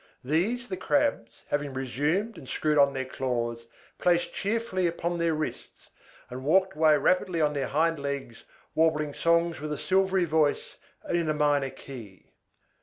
These the Crabs, having resumed and screwed on their claws, placed cheerfully upon their wrists, and walked away rapidly on their hind legs, warbling songs with a silvery voice and in a minor key.